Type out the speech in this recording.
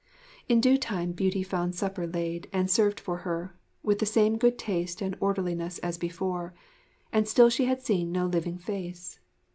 In due time Beauty found supper laid and served for her, with the same good taste and orderliness as before, and still she had seen no living face.